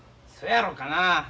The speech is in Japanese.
そやろかな。